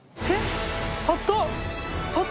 えっ？